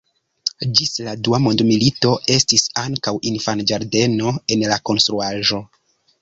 Ĝis la Dua mondmilito estis ankaŭ infanĝardeno en la konstruaĵo.